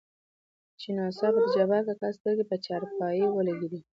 چې ناڅاپه دجبارکاکا سترګې په چارپايي ولګېدې.